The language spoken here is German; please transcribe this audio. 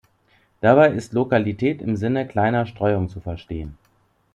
Dabei ist „Lokalität“ im Sinne kleiner Streuung zu verstehen.